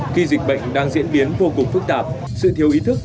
khi dịch bệnh đang diễn biến vô cùng phức tạp sự thiếu ý thức